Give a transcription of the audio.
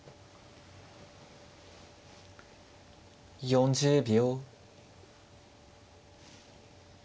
４０秒。